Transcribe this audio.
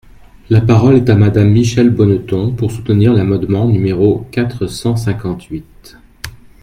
La parole est à Madame Michèle Bonneton, pour soutenir l’amendement numéro quatre cent cinquante-huit.